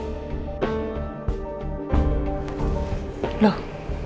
kalau tidak kau pahamieties